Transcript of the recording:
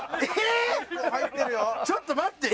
ちょっと待って。